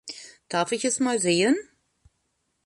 Darf ich es mal sehen?